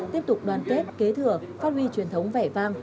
tiếp tục đoàn kết kế thừa phát huy truyền thống vẻ vang